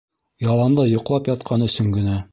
Яланда йоҡлап ятҡан өсөн генә.